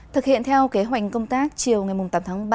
thực hiện theo kế hoạch công tác chiều ngày tám tháng ba